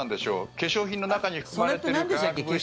化粧品の中に含まれている化学物質。